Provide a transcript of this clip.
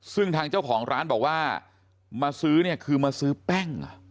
ซึ่งทางเจ้าของร้านบอกว่ามาซื้อเนี่ยคือมาซื้อแป้ง